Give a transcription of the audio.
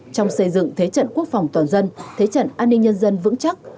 trong xây dựng thế trận quốc phòng toàn dân thế trận an ninh nhân dân vững chắc